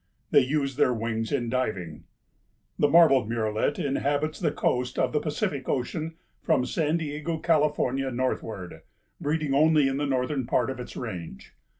They use their wings in diving. The Marbled Murrelet inhabits the coast of the Pacific ocean from San Diego, California, northward, breeding only in the northern part of its range.